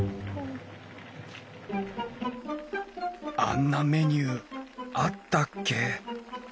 あんなメニューあったっけ？